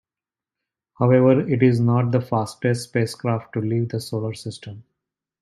However, it is not the fastest spacecraft to leave the Solar System.